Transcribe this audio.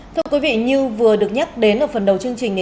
thưa quý vị như vừa được nhắc đến ở phần đầu chương trình